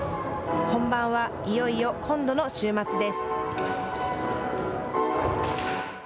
本番はいよいよ、今度の週末です。